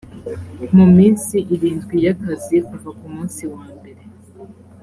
mu minsi irindwi y akazi kuva ku munsi wa mbere